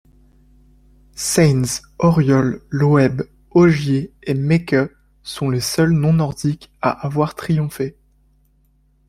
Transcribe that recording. Sainz, Auriol, Loeb, Ogier et Meeke sont les seuls non nordiques à avoir triomphé.